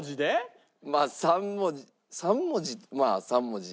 まあ３文字３文字？